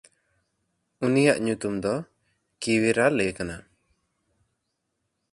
ᱩᱱᱤᱭᱟᱜ ᱧᱩᱛᱩᱢ ᱫᱚ ᱠᱤᱣᱮᱨᱟᱼᱞᱮ ᱠᱟᱱᱟ᱾